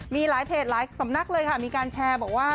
มีหลายเพจหลายสำนักเลยค่ะมีการแชร์บอกว่า